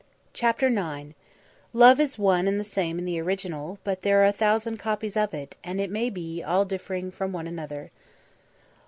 CHAPTER IX "_Love is one and the same in the original, but there are a thousand copies of it, and, it may be, all differing from one another_."